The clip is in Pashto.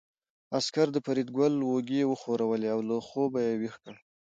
عسکر د فریدګل اوږې وښورولې او له خوبه یې ويښ کړ